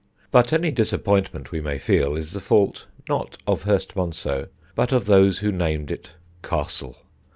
But any disappointment we may feel is the fault not of Hurstmonceux but of those who named it castle.